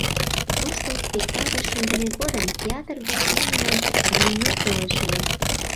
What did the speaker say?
Тушто спектакль шындыме годым театр гыч лӱмынак гримёр толеш ыле.